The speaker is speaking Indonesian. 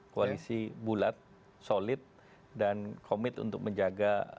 koalisi bulat solid dan komit untuk menjaga